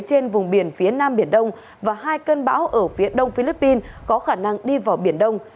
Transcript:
trên vùng biển phía nam biển đông và hai cơn bão ở phía đông philippines có khả năng đi vào biển đông